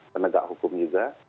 penegak hukum juga